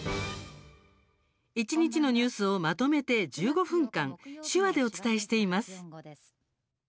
一日のニュースをまとめて１５分間手話でお伝えしています。